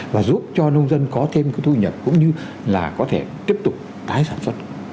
và giúp cho nông dân có thêm cái thu nhập cũng như là có thể tiếp tục tái sản xuất